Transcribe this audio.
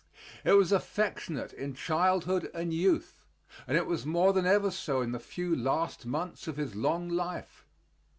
It was affectionate in childhood and youth, and it was more than ever so in the few last months of his long life.